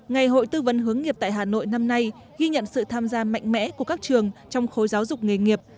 ngày hội tư vấn hướng nghiệp tại hà nội năm nay ghi nhận sự tham gia mạnh mẽ của các trường trong khối giáo dục nghề nghiệp